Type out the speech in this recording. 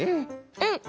うん。